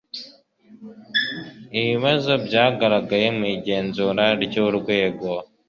ibibazo byagaragaye mu igenzurana ry urwego